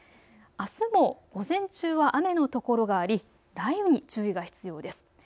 あすも午前中は雨の所があり雷雨に注意が必要です。